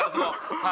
はい。